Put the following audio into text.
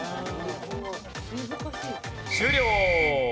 終了。